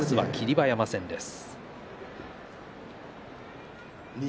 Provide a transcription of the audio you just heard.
馬山戦です。